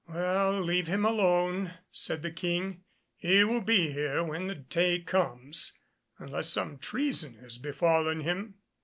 "Well, leave him alone," said the King. "He will be here when the day comes, unless some treason has befallen him."